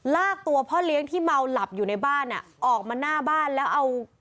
ลากตัวพ่อเลี้ยงที่เมาหลับอยู่ในบ้านอ่ะออกมาหน้าบ้านแล้วเอา